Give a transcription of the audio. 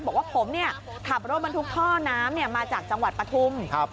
บอกว่าผมเนี่ยขับรถบรรทุกท่อน้ำเนี่ยมาจากจังหวัดปทุมครับ